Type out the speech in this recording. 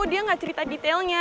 dia gak cerita detailnya